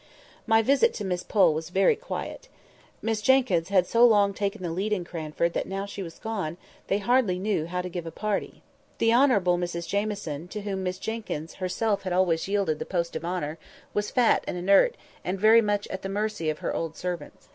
My visit to Miss Pole was very quiet. Miss Jenkyns had so long taken the lead in Cranford that now she was gone, they hardly knew how to give a party. The Honourable Mrs Jamieson, to whom Miss Jenkyns herself had always yielded the post of honour, was fat and inert, and very much at the mercy of her old servants.